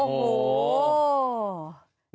โอ้โห